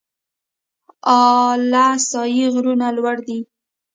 اله سای غرونه لوړ دي؟